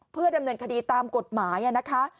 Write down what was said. เพื่อดำเนินคดีตามกฎหมายนะคะ